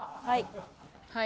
はい。